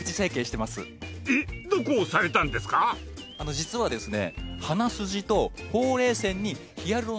実はですね。